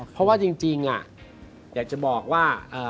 เพราะว่าจริงอยากจะบอกว่า